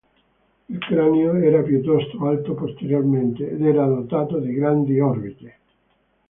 Il cranio era piuttosto alto posteriormente, ed era dotato di grandi orbite.